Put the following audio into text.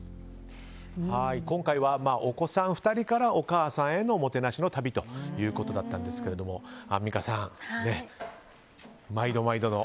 今回はお子さん２人からお母さんへのもてなしの旅ということだったんですがアンミカさん、毎度毎度の。